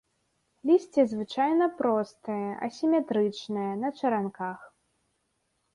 Лісце звычайна простае, асіметрычнае, на чаранках.